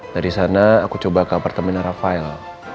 dari sana aku coba ke apartemen rafael